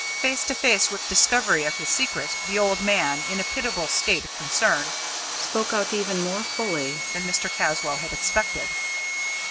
Face to face with discovery of his secret, the old man, in a pitiable state of concern, spoke out even more fully than Mr. Caswall had expected.